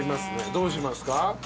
どうしますか？